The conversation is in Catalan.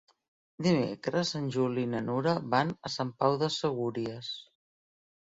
Dimecres en Juli i na Nura van a Sant Pau de Segúries.